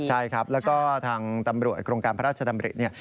ใช่ครับแล้วก็ทางตำรวจโครงการพระราชดำริเนี่ย